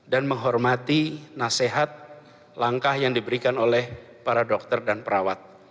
dan menghormati nasihat langkah yang diberikan oleh para dokter dan perawat